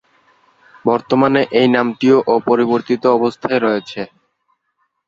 বর্তমানে এই নামটিও অপরিবর্তিত অবস্থায় রয়েছে।